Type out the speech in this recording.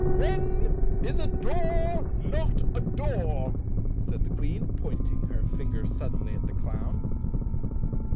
" When is a door not a door?" asked the Queen, point¬ ing her finger suddenly at the clown.